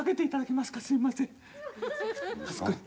あそこへ。